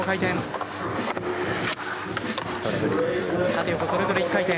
縦横それぞれ１回転。